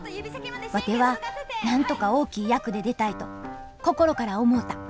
ワテはなんとか大きい役で出たいと心から思うた！